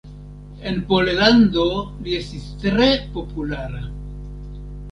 En Pollando li estis tre populara.